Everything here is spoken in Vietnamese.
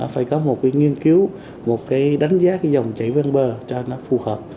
phải có một cái nghiên cứu một cái đánh giá cái dòng chảy ven bờ cho nó phù hợp